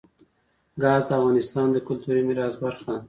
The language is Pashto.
ګاز د افغانستان د کلتوري میراث برخه ده.